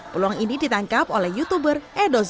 peluang ini ditangkap oleh youtuber edozen